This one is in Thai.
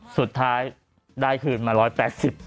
สุดท้ายได้คืนมา๑๘๐บาท